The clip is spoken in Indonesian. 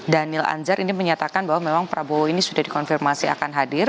daniel anjar ini menyatakan bahwa memang prabowo ini sudah dikonfirmasi akan hadir